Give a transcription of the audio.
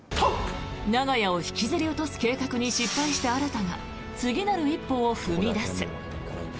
長屋を引きずり落とす計画に失敗した新が次なる一歩を踏み出す。